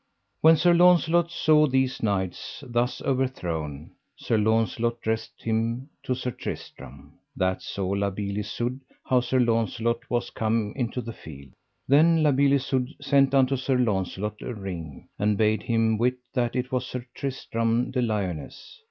When Sir Launcelot saw these knights thus overthrown, Sir Launcelot dressed him to Sir Tristram. That saw La Beale Isoud how Sir Launcelot was come into the field. Then La Beale Isoud sent unto Sir Launcelot a ring, and bade him wit that it was Sir Tristram de Liones.